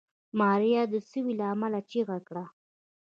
ماريا د سوي له امله چيغه کړه.